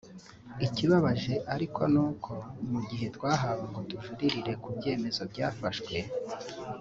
Ikibabaje ariko ni uko mu gihe twahawe ngo tujurire ku byemezo byafashwe